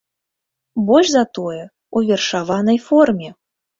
Больш за тое, у вершаванай форме!